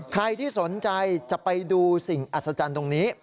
ใครที่สนใจจะไปดูสิ่งอัศจรรย์ตรงนี้